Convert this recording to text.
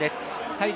会場